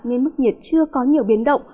nên mức nhiệt chưa có nhiều biến động